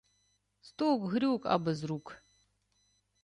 Стук-грюк, аби з рук.